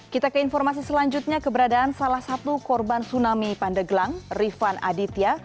kita ke informasi selanjutnya keberadaan salah satu korban tsunami pandeglang rifan aditya